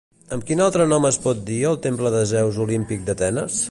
Amb quin altre nom es pot dir el Temple de Zeus Olímpic d'Atenes?